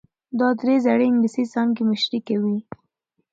دا د زړې انګلیسي څانګې مشري کوي.